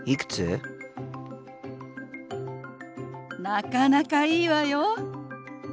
なかなかいいわよ。